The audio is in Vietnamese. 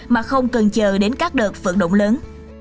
mà không cần chờ đến các đợt vận động lớn